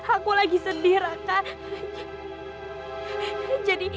aku sedih raka